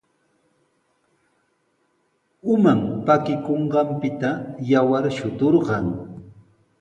Uman pakikunqanpita yawar shuturqan.